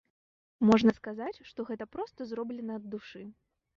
Можна сказаць, што гэта проста зроблена ад душы.